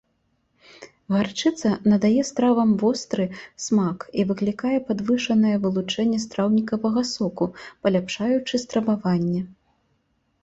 Гарчыца надае стравам востры смак і выклікае падвышанае вылучэнне страўнікавага соку, паляпшаючы страваванне.